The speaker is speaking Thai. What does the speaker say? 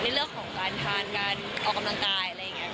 ในเรื่องของการทานการออกกำลังกาย